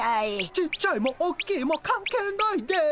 ちっちゃいもおっきいも関係ないです。